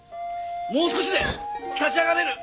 もう少しで立ち上がれる！